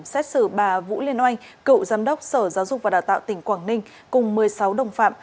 xét xử bà vũ liên oanh cựu giám đốc sở giáo dục và đào tạo tp hcm cùng một mươi sáu đồng phạm